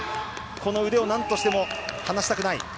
この腕をなんとしても離したくない。